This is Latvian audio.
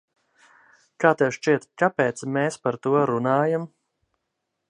Kā tev šķiet, kāpēc mēs par to runājam?